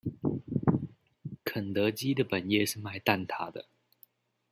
肯德基的本業是賣蛋塔的